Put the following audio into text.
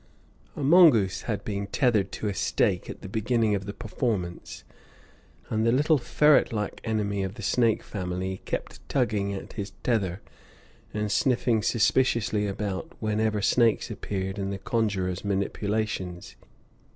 A mongoose had been tethered to a stake at the beginning of the performance, and the little ferret like enemy of the snake family kept tugging at his tether and sniffing suspiciously about whenever snakes appeared in the conjurer's manipulations.